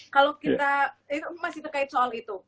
kalau kita masih terkait soal itu